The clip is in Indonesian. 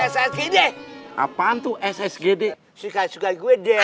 ssgd apaan tuh ssgd suka sukaan gue deh